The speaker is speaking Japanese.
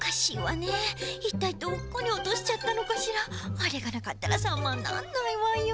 あれがなかったらサマにならないわよ。